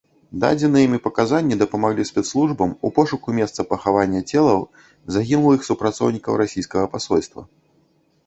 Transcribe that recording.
Дадзеныя ім паказанні дапамаглі спецслужбам ў пошуку месца пахавання целаў загінулых супрацоўнікаў расійскага пасольства.